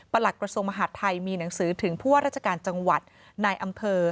หลักกระทรวงมหาดไทยมีหนังสือถึงผู้ว่าราชการจังหวัดนายอำเภอ